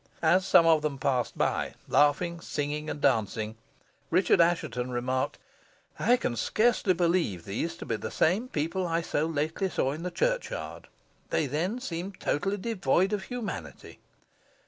As some of them passed by, laughing, singing, and dancing, Richard Assheton remarked, "I can scarcely believe these to be the same people I so lately saw in the churchyard. They then seemed totally devoid of humanity."